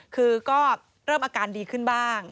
คือก็เริ่มอาการดีขึ้นบ้าง